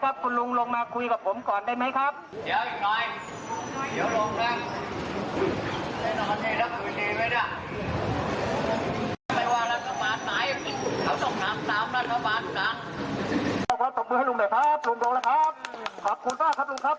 ขอตบมือให้ลุงได้ครับลุงลงแล้วครับขอบคุณมากครับลุงครับ